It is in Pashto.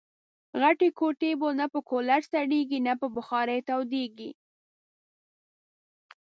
غټي کوټې نه په کولرسړېږي ، نه په بخارۍ تودېږي